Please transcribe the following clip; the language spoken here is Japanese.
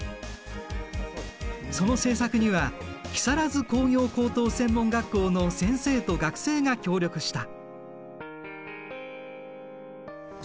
その製作には木更津工業高等専門学校の先生と学生が協力した。